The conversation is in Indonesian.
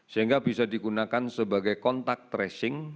sehingga bisa digunakan sebagai kontak tracing